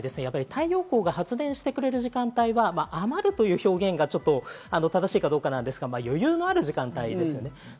太陽光が発電してくれてる時間帯は余る表現が正しいかどうかなんですが、余裕のある時間帯ですね。